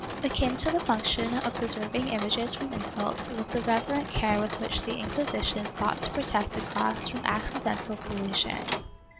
Akin to the function of preserving images from insult, was the reverent care with which the Inquisition sought to protect the cross from accidental pollution.